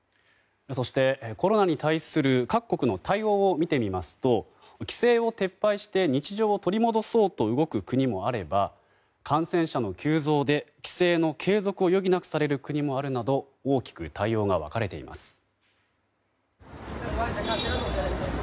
コロナに対する各国の対応を見てみますと、規制を撤廃して日常を取り戻そうと動く国もあれば、感染者の急増で規制の継続を余儀なくされる国もあるなど大きく対応が分かれています。